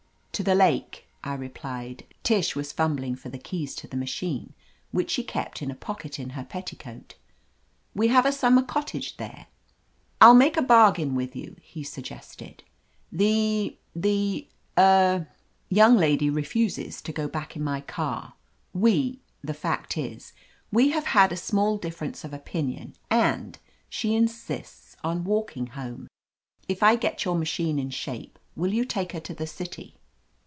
"To the lake," I replied. Tish was fum bling for the keys to the machine which she kept in a pocket in her petticoat, "We have a summer cottage there." "I'll make a bargain with you," he suggested. "The — the — er — ^young lady refuses to go back in my car. We — ^the fact is, we have had a small difference of opinion, and — she insists on walking home. If I get your machine in shape, will you take her to the city